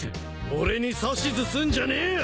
俺に指図すんじゃねえよ！